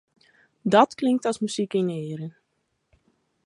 Dat klinkt as muzyk yn 'e earen.